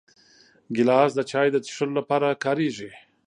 ګیلاس د چایو د څښلو لپاره کارېږي.